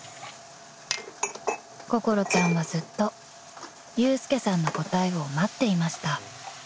［心ちゃんはずっと祐介さんの答えを待っていました］